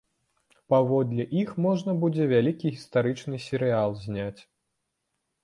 Паводле іх можна будзе вялікі гістарычны серыял зняць!